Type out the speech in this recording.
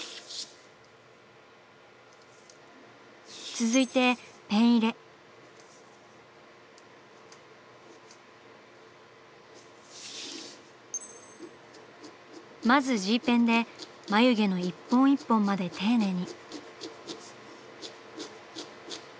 続いてまずＧペンで眉毛の１本１本まで丁寧に。